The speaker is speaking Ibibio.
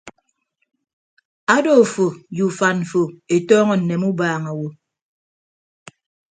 Ado afo ye ufan mfo etọọñọ nneme ubaaña awo.